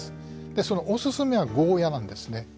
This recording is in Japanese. でおすすめはゴーヤなんですね。